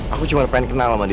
aku cuma pengen kenal sama dia